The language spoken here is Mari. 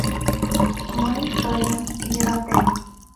Мый... тыйым... йӧратем...